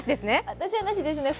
私はなしですね。